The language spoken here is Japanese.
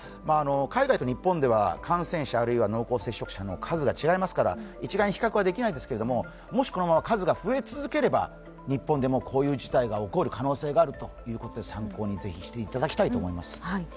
海外と日本では感染者、あるいは濃厚接触者の数が違いますから一概に比較はできませんが、もしこのまま数が増え続ければ日本でもこういう事態が起こる可能性があるということで参考にぜひしていただきたいと思います。